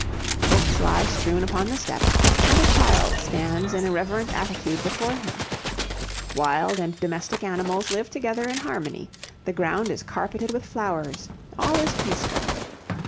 Books lie strewn upon the steps, and a child stands in a reverent attitude before him. Wild and domestic animals live together in harmony; the ground is carpeted with flowers; all is peaceful.